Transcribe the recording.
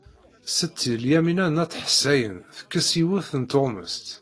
Setti Lyamina n At Ḥsayen tekkes-d yiwet n tuɣmest.